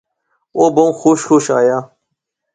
او بہوں خوش خوش آیا